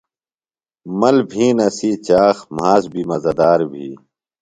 مل بِھین اسی چاخ، مھاس بیۡ مزہ دار بھی